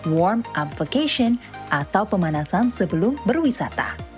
warm up vacation atau pemanasan sebelum berwisata